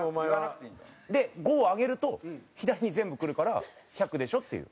で５を上げると左に全部来るから１００でしょっていう。